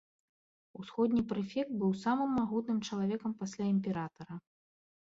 Усходні прэфект быў самым магутным чалавекам пасля імператара.